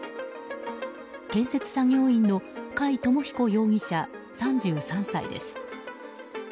建設作業員の貝知彦容疑者、３３歳です。